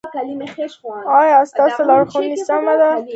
ایا ستاسو لارښوونه سمه ده؟